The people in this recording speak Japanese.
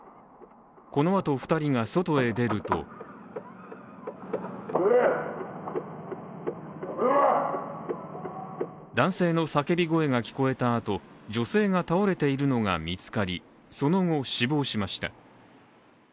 この後２人が外へ出ると男性の叫び声が聞こえた後、女性が倒れているのが見つかり、その後死亡しました。